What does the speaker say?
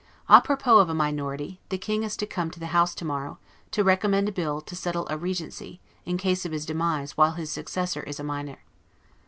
'A propos' of a minority; the King is to come to the House to morrow, to recommend a bill to settle a Regency, in case of his demise while his successor is a minor.